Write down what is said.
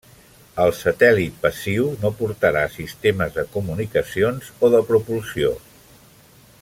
El satèl·lit passiu no portarà sistemes de comunicacions o de propulsió.